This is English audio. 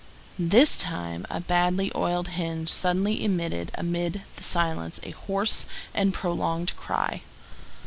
This time a badly oiled hinge suddenly emitted amid the silence a hoarse and prolonged cry.